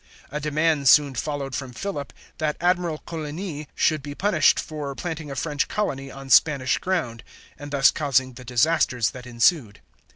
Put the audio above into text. A demand soon followed from Philip, that Admiral Coligny should be punished for planting a French colony on Spanish ground, and thus causing the disasters that ensued.